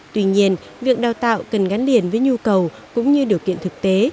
tuy nhiên việc đào tạo cần gắn liền với nhu cầu cũng như điều kiện thực tế